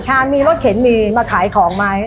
มีรถเข็นมีมาขายของไหม